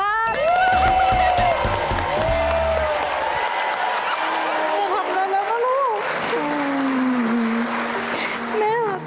แม่ทำได้แล้วนะลูก